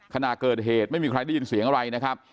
ขณะเกิดเหตุไม่มีใครได้ยินเสียงอะไรนะครับ